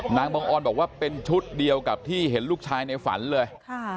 นางบังออนบอกว่าเป็นชุดเดียวกับที่เห็นลูกชายในฝันเลย